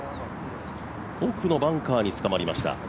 奥のバンカーにつかまりました。